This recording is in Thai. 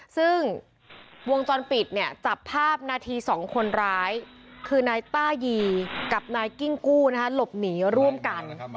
ซึ่งวงจรปิดเนี่ยจับภาพนาที๒คนร้ายคือนายต้ายีกับนายกิ้งกู้หลบหนีร่วมกัน